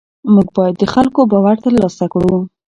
موږ باید د خلکو باور ترلاسه کړو.